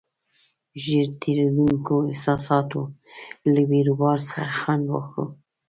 ژر تېرېدونکو احساساتو له بیروبار څخه خوند واخلو.